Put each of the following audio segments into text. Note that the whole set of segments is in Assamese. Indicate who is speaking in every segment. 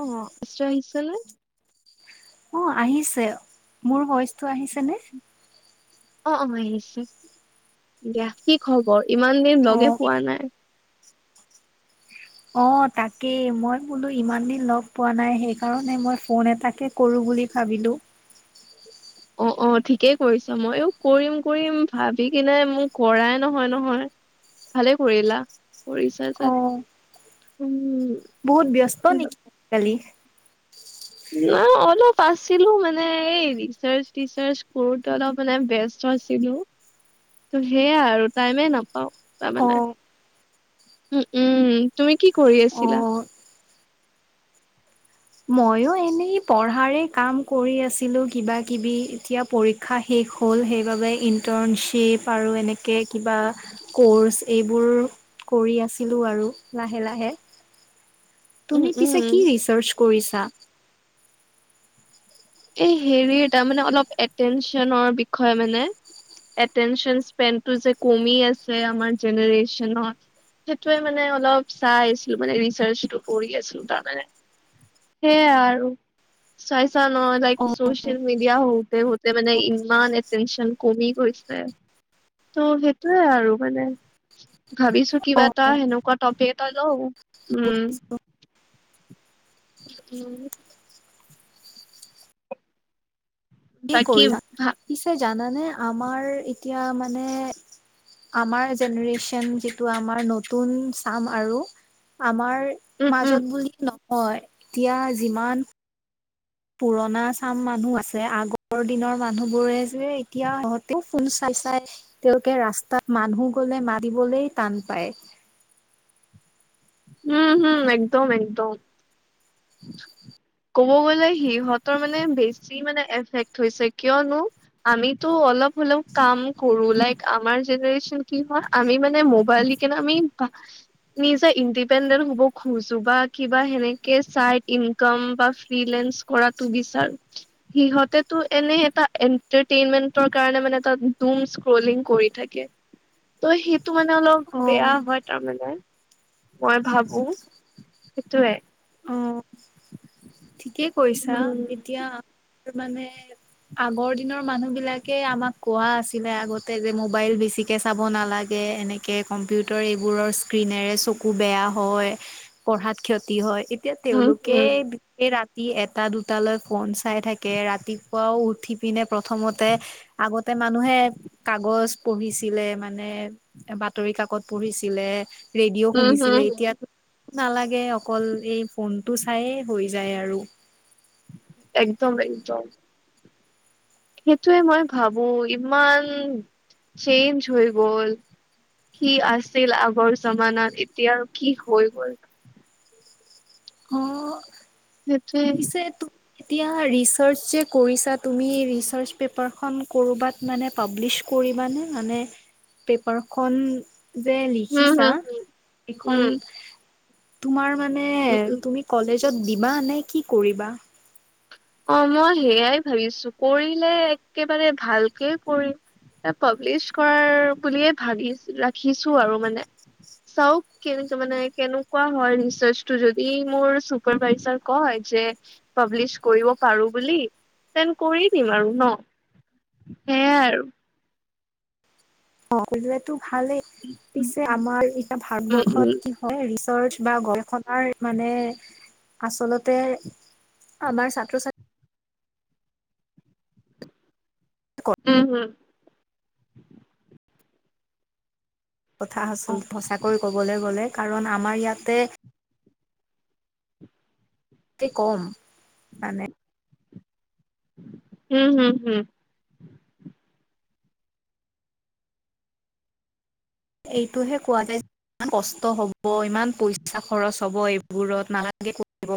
Speaker 1: অ', [unintelligible]
Speaker 2: অ', আহিছে মোৰ ভইচটো আহিছেনে?
Speaker 1: অ', অ', আহিছে দিয়া কি খবৰ ইমান দিন
Speaker 2: অ
Speaker 1: লগে পোৱা নাই।
Speaker 2: অ', তাকেই মই বোলো ইমান দিন লগ পোৱা নাই সেইকাৰণে মই ফোন এটাকে কৰোঁ। বুলি ভাবিলো।
Speaker 1: [inaudible] অ', অ', ঠিকেই কৰিছা ময়ো কৰিম কৰিম ভাবি কিনে মোক কৰাই নহয় নহয়। ভালে কৰিলা কৰিছা
Speaker 2: অ
Speaker 1: যে উম,
Speaker 2: বহুত ব্যস্ত নেকি আজিকালি?
Speaker 1: অলপ আছিলোঁ মানে, এই ৰিচাৰ্চ-টিচাৰ্চ কৰোঁতেই অলপ মানে ব্য ছিলো ত সেইয়া আৰু টাইমে নাপাও
Speaker 2: অ
Speaker 1: তাৰমানে উম উম তুমি কি কৰি
Speaker 2: অ
Speaker 1: আছিলা?
Speaker 2: মইও এনেই পঢ়াৰে কাম কৰি আছিলো কিবা কিবি এতিয়া পৰীক্ষা শেষ হ'ল সেইবাবে ইণ্টাৰ্ণশ্বিপ আৰু এনেকে কিবা কৰ্চ এইবোৰ কৰি আছিলো আৰু লাহে লাহে।
Speaker 1: উম
Speaker 2: তুমি পিছে
Speaker 1: উম
Speaker 2: কি ৰিচাৰ্চ কৰিছা?
Speaker 1: এই হেৰি তাৰ মানে অলপ এটেনচনৰ বিষয়ে মানে এটেনচন স্পেনটো যে কমি আছে আমাৰ জেনে্ৰেচনত। সেইটোৱে মানে অলপ চাই আছিলো মানে ৰিচাৰচটো কৰি আছিল তাৰে। সেয়াই আৰু চাইছা নহয় লাইক চচিয়েল মিডিয়া হ'তে ব মানে ইমান এটেনচন কমি গৈছে। ত' সেইটোয়ে আৰু মানে ভাবিছো কিবা এটা সেনেকুৱা টপিক এটা লওঁ।
Speaker 2: ব [unintelligible]
Speaker 1: উম।
Speaker 2: কি
Speaker 1: বাকী
Speaker 2: কৰিছ?
Speaker 1: ভা
Speaker 2: পিছে জানানে আমাৰ এতিয়া মানে আমাৰ জেনেৰে্চন যিটো আমাৰ নতুন চাম আৰু আমাৰ
Speaker 1: উম উম
Speaker 2: মাজত বুলি নহয় এতিয়া যিমান পুৰণা চাম মানুহ আছে আগৰ দিনৰ মানুহ বোৰে যে এতিয়া সতে ফোন চাই তেওঁলোকে ৰাস্তাত মানুহ গ'লে মাৰিবলৈ টান পায়।
Speaker 1: [inaudible] উম হম একদম একদম। ক'ব গ'লে সিহঁতৰ মানে বেছি মানে এফেক্ট হৈছে কিয়নো আমিতো অলপ হলেও কাম কৰো লাইক আমাৰ জেনেৰে্চন কি হয় আমি মানে মোবাইল আমি নিজে ইণ্ডিপেণ্ডেন্ট হ'ব খোজো বা কিবা সেনেকে চাইদ ইনকম বা ফ্ৰিলেন্স কৰাটো বিচাৰো সিহঁতেটো এনে এটা এটাৰটেইনমেণ্টৰ কাৰণে মানে [unintelligible] স্ক্ৰলিং কৰি থাকে ত', সেইটো মানে অলপ বেয়া
Speaker 2: অ',
Speaker 1: হয় তাৰমানে মই ভাবো সেইটোয়ে।
Speaker 2: অ'। ঠিকেই কৈছা
Speaker 1: উম
Speaker 2: এতিয়া মানে আগৰ দিনৰ মানুহ বিলাকে আমাক কোৱা আছিল আগতে যে মোবাইল বেছিকে চাব নালাগে এনেকে কম্পিউটাৰ এইবোৰৰ স্ক্ৰীনেৰে চ বেয়া হয় পঢ়াত ক্ষতি হয় এতিয়া
Speaker 1: হম হম
Speaker 2: তেওঁলোকে
Speaker 1: উম
Speaker 2: বিশ ৰা ৰাতি এটা দুটালৈ ফোন চাই থাকে ৰাতিপুৱাও উঠি পিনে প্ৰথমতে আগতে তে মানুহে কাগজ পঢ়িছিলে মানে বাতৰি কাকত পঢ়িছিলে ৰেডিঅ'
Speaker 1: হম
Speaker 2: শুনিছিলে
Speaker 1: হম,
Speaker 2: এতিয়া নালাগে অকল এই ফোনটো চাইে হৈ যায় আৰু।
Speaker 1: একদম একদম। সেইটোৱে মই ভাবো ইমান চেইঞ্জ হৈ গ'ল। কি আছিল আগৰ জামানাত এতিয়া কি হৈ গ'ল।
Speaker 2: অ'।
Speaker 1: সেইটোৱে।
Speaker 2: পিছে তুমি এতিয়া ৰিৰ্চাচ যে কৰিছা তুমি ৰিৰ্চাচ পেপাৰখন ক'ৰবাত মানে পাব্লিছ কৰিবানে মানে পেপাৰখন যে
Speaker 1: উম
Speaker 2: লিখিছা
Speaker 1: হম
Speaker 2: এখন
Speaker 1: উম
Speaker 2: তোমাৰ মানে
Speaker 1: উম উম
Speaker 2: তুমি কলেজত দিবা নে কি কৰিবা?
Speaker 1: অ', মই সেইয়াই ভাবিছো কৰিলে একেবাৰে ভালকে কৰিম। পাব্লিছ কৰাৰ বুলিয়ে ভাবি ৰাখিছো আৰু মানে। চাওক কেনে মানে কেনেকুৱা হয় ৰিচাৰটো যদি মোৰ চুপাৰভাইজাৰ কয় যে পাব্লিছ কৰিব পাৰো বুলি তেন কৰি দিম আৰু ন', সেইয়াই আৰু।
Speaker 2: অটো কৰিলেটো ভালেই
Speaker 1: উম
Speaker 2: পিছে আমাৰ এতিয়া
Speaker 1: উম উম
Speaker 2: ভাৰতবৰ্ষত কি হয় চৰ্চ বা গৱষাৰ মানে আচলতে আমাৰ ছাত্ৰ ছাত্ৰী
Speaker 1: উম হম
Speaker 2: কথাচ সঁচাকৈ ক'বলৈ গ'লে কাৰণ আমাৰ ইয়াতে খ কম মানে
Speaker 1: উম হম হম
Speaker 2: এইটোহে কোৱা যায় ইমান কষ্ট হ'ব ইমান পইচা খৰচ হ'ব এইবোৰত নালাগে কৰিব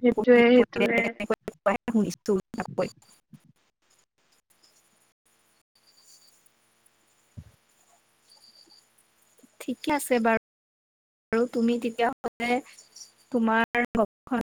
Speaker 1: সেইটোয়ে সেইটোয়ে।
Speaker 2: [unintelligible] শুনিছো ঠিকে আছে বাৰু আৰু তুমি তেতিয়াাহলে তোমাৰ